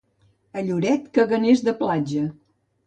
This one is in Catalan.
A Lloret, caganers de platja.